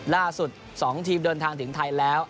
ล่าสุด๒ทีมเดินทางถึงไทยแล้ว